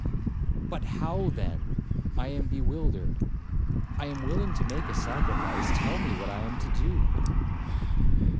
'But how, then,—I am bewildered,—I am willing to make a sacrifice,—tell me what I am to do.'